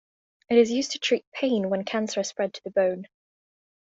It is used to treat pain when cancer has spread to the bone.